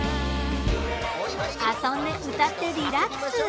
遊んで歌ってリラックス。